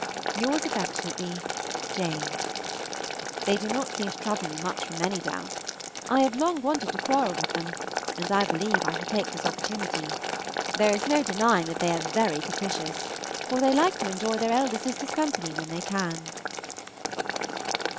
Yours affectionately, JANE. They do not seem to trouble you much from Manydown. I have long wanted to quarrel with them, and I believe I shall take this opportunity. There is no denying that they are very capricious for they like to enjoy their elder sister's company when they can.